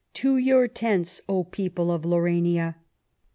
To your tents, oh people of Laurania!"